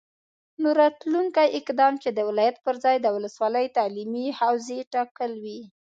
نو راتلونکی اقدام چې د ولایت پرځای د ولسوالي تعلیمي حوزې ټاکل وي،